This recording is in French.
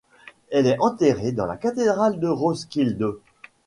Elle est enterrée dans la cathédrale de Roskilde.